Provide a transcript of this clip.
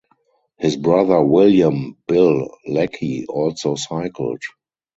His brother William "Bill" Lackey also cycled.